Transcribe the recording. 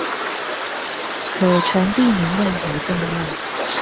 可傳遞能量和動量